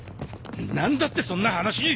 何だってそんな話に！